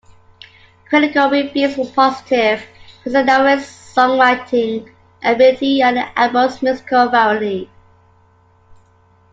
Critical reviews were positive, praising Nowell's songwriting ability and the album's musical variety.